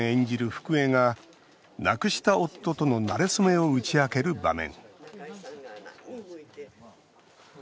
福江が亡くした夫とのなれ初めを打ち明ける場面。